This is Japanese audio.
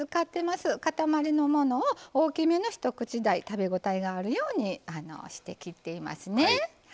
塊のものを大きめの一口大食べ応えがあるようにして切っていますね。